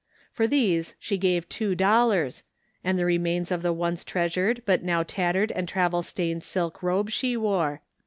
For these she gave two dollars and the remains of the once treasured, but now tattered and travel stained silk robe she wore.